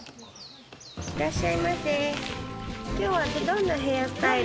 いらっしゃいませ。